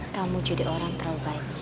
kamu jadi orang terlalu baik